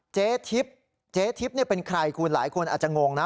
เจ๊ทิพย์เจ๊ทิพย์เป็นใครคุณหลายคนอาจจะงงนะ